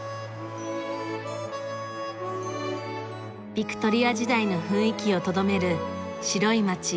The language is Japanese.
ビクトリア時代の雰囲気をとどめる白い街オアマル。